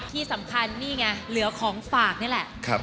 ที่สำคัญนี่ไงเหลือของฝากนี่แหละ